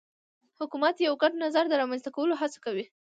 حکومت د یو ګډ نظر د رامنځته کولو هڅه کوي